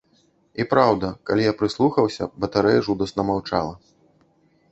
І праўда, калі я прыслухаўся, батарэя жудасна маўчала.